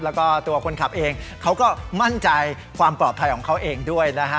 แล้วก็ตัวคนขับเองเขาก็มั่นใจความปลอดภัยของเขาเองด้วยนะฮะ